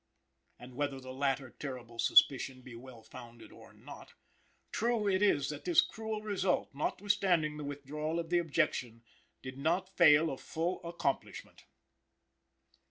And whether the latter terrible suspicion be well founded or not, true it is that this cruel result, notwithstanding the withdrawal of the objection, did not fail of full accomplishment.